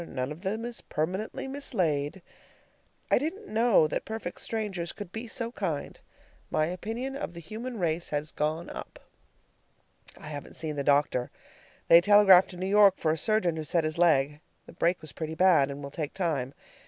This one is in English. None of them is permanently mislaid. I didn't know that perfect strangers could be so kind. My opinion of the human race has gone up. I haven't seen the doctor. They telegraphed to New York for a surgeon, who set his leg. The break was pretty bad, and will take time.